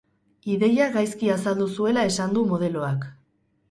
Ideia gaizki azaldu zuela esan du modeloak.